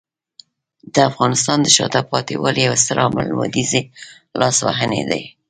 د افغانستان د شاته پاتې والي یو ستر عامل لویدیځي لاسوهنې دي.